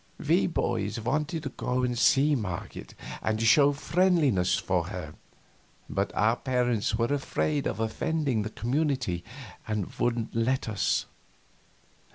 We boys wanted to go and see Marget and show friendliness for her, but our parents were afraid of offending the community and wouldn't let us.